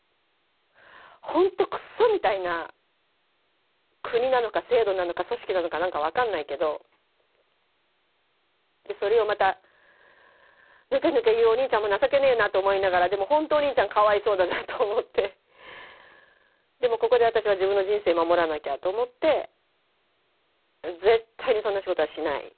本当クソみたいな国なのか制度なのか組織なのか何か分かんないけどそれをまたぬけぬけ言うお兄ちゃんも情けねぇなと思いながらでもほんとお兄ちゃんかわいそうだなと思ってでもここで私は自分の人生を守らなきゃと思って絶対にそんな仕事はしない。